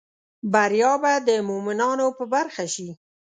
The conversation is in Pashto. بریا به د مومینانو په برخه شي